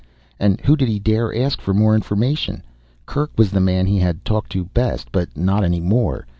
And who did he dare ask for more information? Kerk was the man he had talked to best, but not any more.